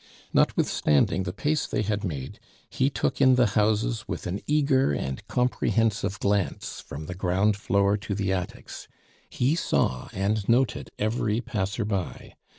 Notwithstanding the pace they had made, he took in the houses with an eager and comprehensive glance from the ground floor to the attics. He saw and noted every passer by.